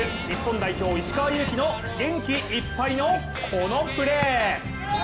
日本代表・石川祐希の元気いっぱいのこのプレー。